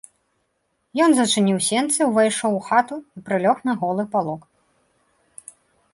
Ён зачыніў сенцы, увайшоў у хату і прылёг на голы палок.